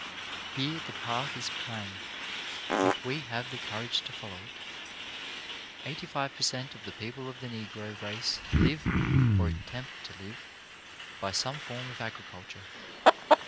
Here the path is plain, if we have the courage to follow it. Eighty five per cent, of the people of the Negro race live — or attempt to live — by some form of agricul ture.